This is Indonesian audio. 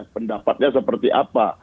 pendapatnya seperti apa